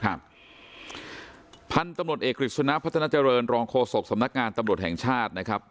ครับพันธุ์ตำหนดเอกริสุนาพัฒนาเจริญรองโคศกสำนักงานตำหนดแห่งชาตินะครับ